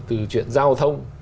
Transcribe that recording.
từ chuyện giao thông